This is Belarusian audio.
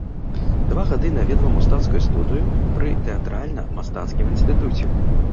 Два гады наведваў мастацкую студыю пры тэатральна-мастацкім інстытуце.